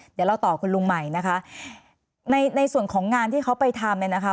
เดี๋ยวเราต่อคุณลุงใหม่นะคะในในส่วนของงานที่เขาไปทำเนี่ยนะคะ